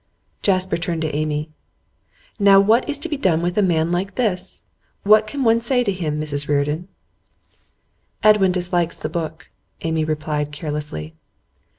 Jasper turned to Amy. 'Now what is to be done with a man like this? What is one to say to him, Mrs Reardon?' 'Edwin dislikes the book,' Amy replied, carelessly.